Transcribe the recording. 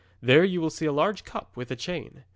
There you will see a large cup, with a chain.